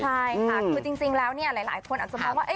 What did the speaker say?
ใช่ค่ะคือจริงแล้วเนี่ยหลายคนอาจจะมองว่า